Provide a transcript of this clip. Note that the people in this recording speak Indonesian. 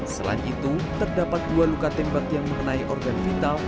selain itu terdapat dua luka tembak yang mengenai organ vital